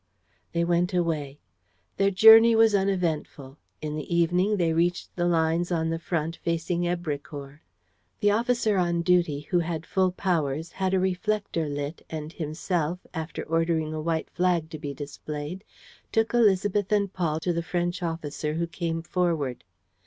..." They went away. Their journey was uneventful. In the evening, they reached the lines on the front, facing Èbrecourt. The officer on duty, who had full powers, had a reflector lit and himself, after ordering a white flag to be displayed, took Élisabeth and Paul to the French officer who came forward.